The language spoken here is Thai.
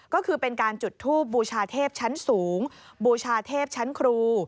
ก็คือเป็นการจุดทูบบูชาเทพชั้นสูงบูชาเทพชั้นครู